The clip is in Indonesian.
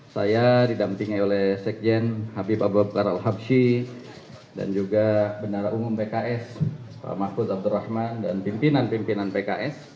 saya didampingi oleh sekjen habib abub karal habsyi dan juga benara umum pks pak mahfuz abdurrahman dan pimpinan pimpinan pks